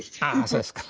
そうですか。